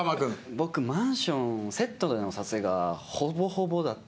僕マンションセットでの撮影がほぼほぼだったので。